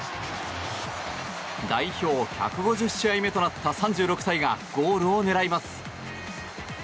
代表１５０試合目となった３６歳がゴールを狙います。